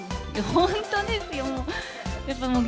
本当ですよ、もう。